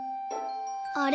あれ？